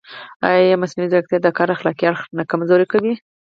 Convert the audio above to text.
ایا مصنوعي ځیرکتیا د کار اخلاقي اړخ نه کمزوری کوي؟